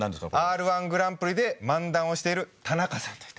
Ｒ−１グランプリで漫談をしている田中さん。